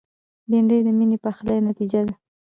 بېنډۍ د میني پخلي نتیجه ده